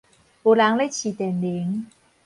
有人咧揤電鈴